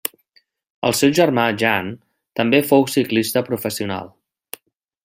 El seu germà Jan també fou ciclista professional.